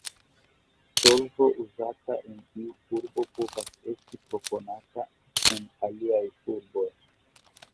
Solvo uzata en iu urbo povas esti proponata en aliaj urboj.